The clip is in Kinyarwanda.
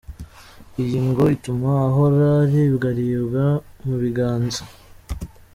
Iyi yo ngo ituma ahora aribwaribwa mu biganza.